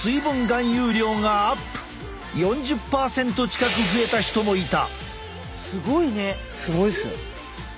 ４０％近く増えた人もいた。